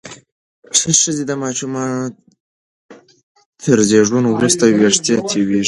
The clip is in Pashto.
ښځې د ماشومانو تر زیږون وروسته وېښتې تویېږي.